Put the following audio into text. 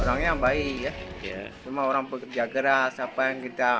orangnya baik ya semua orang pekerja keras apa yang kita